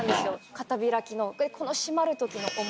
片開きの。